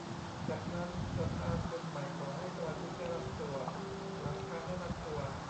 จากนั้นประธานคนใหม่ขอให้สมาชิกแนะนำตัว หลังการแนะนำตัว